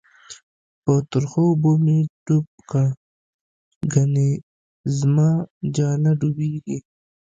په ترخو اوبو می ډوب کړه، گڼی زماجاله ډوبیږی